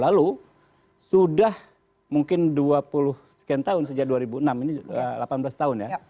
lalu sudah mungkin dua puluh sekian tahun sejak dua ribu enam ini delapan belas tahun ya